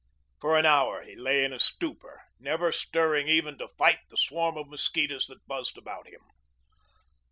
For an hour he lay in a stupor, never stirring even to fight the swarm of mosquitoes that buzzed about him.